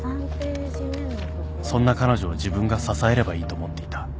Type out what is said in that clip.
そんな彼女を自分が支えればいいと思っていた